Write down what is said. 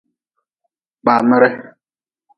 Kpamere.